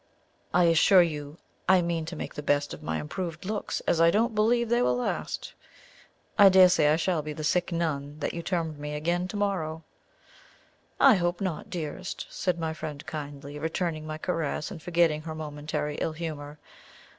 I assure you I mean to make the best of my improved looks, as I don't believe they will last. I dare say I shall be the 'sick nun' that you termed me again to morrow." "I hope not, dearest," said my friend kindly, returning my caress and forgetting her momentary ill humour.